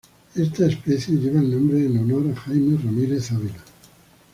Esta especie lleva el nombre en honor a Jaime Ramírez Avila.